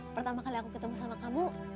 pertama kali aku ketemu sama kamu